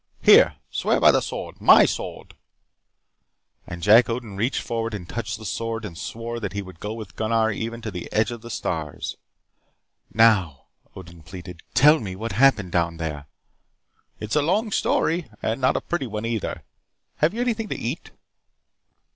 Here, swear by the sword, my sword." And Jack Odin reached forward and touched the sword and swore that he would go with Gunnar even to the edge of the stars "Now," Odin pleaded. "Tell me what happened down there." "It is a long story. And not a pretty one, either. Have you anything to eat?"